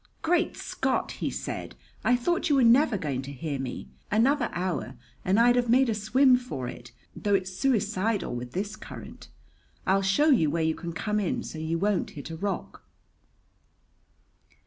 "Great Scott!" he said. "I thought you were never going to hear me. Another hour and I'd have made a swim for it, though it's suicidal with this current. I'll show you where you can come in so you won't hit a rock."